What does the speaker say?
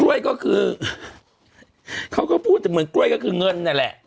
้วยก็คือเขาก็พูดถึงเหมือนกล้วยก็คือเงินนั่นแหละ